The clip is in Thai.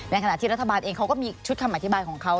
ขณะที่รัฐบาลเองเขาก็มีชุดคำอธิบายของเขา